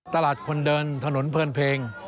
ตลาดคนเดินถนนเพลินเพลง